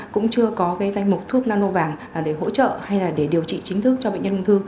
cũng chưa có danh mục thuốc nano vàng để hỗ trợ hay là để điều trị chính thức cho bệnh nhân ung thư